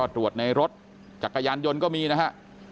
ตรวจในรถจักรยานยนต์ก็มีนะฮะ